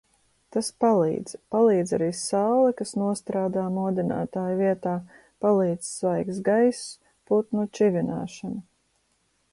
Tas palīdz. Palīdz arī saule, kas nostrādā modinātāja vietā. Palīdz svaigs gaiss, putnu čivināšana.